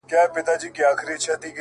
هغه مئین خپل هر ناهیلي پل ته رنگ ورکوي؛